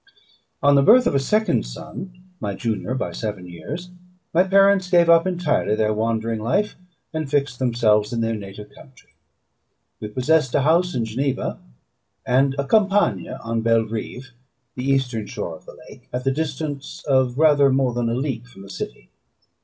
On the birth of a second son, my junior by seven years, my parents gave up entirely their wandering life, and fixed themselves in their native country. We possessed a house in Geneva, and a campagne on Belrive, the eastern shore of the lake, at the distance of rather more than a league from the city.